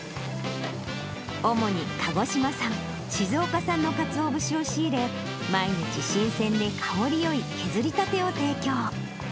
主に鹿児島産、静岡産のかつお節を仕入れ、毎日、新鮮で香りよい削りたてを提供。